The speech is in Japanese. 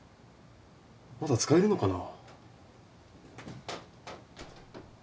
まだ使えるのかな？